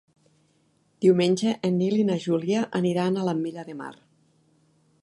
Diumenge en Nil i na Júlia aniran a l'Ametlla de Mar.